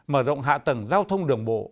mở rộng hạ tầng giao thông đường bộ